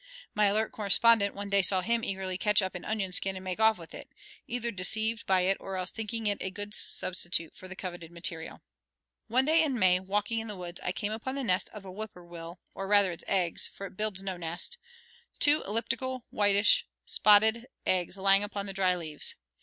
My alert correspondent one day saw him eagerly catch up an onion skin and make off with it, either deceived by it or else thinking it a good substitute for the coveted material. One day in May, walking in the woods, I came upon the nest of a whippoorwill, or rather its eggs, for it builds no nest, two elliptical whitish spotted eggs lying upon the dry leaves.